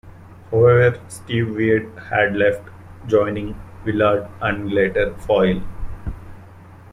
However, Steve Wied had left, joining Willard, and later Foil.